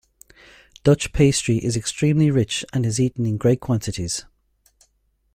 Dutch pastry is extremely rich and is eaten in great quantities.